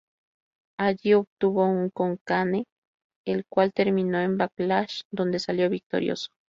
Allí tuvo un con Kane, el cual terminó en Backlash, donde salió victorioso.